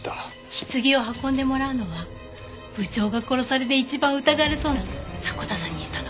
棺を運んでもらうのは部長が殺されて一番疑われそうな迫田さんにしたの。